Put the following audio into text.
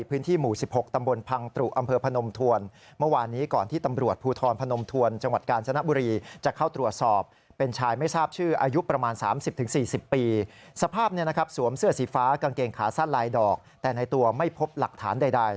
พื้นที่หมู่๑๖ตำบลพังตรุอำเภอพนมทวน